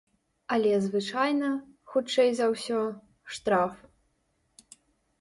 Але звычайна, хутчэй за ўсё, штраф.